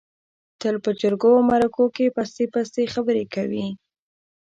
تل په جرگو او مرکو کې پستې پستې خبرې کوي.